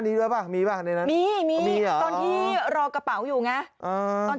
มีด้วยป่ะมีป่ะในนั้นมีมีตอนที่รอกระเป๋าอยู่ไงตอน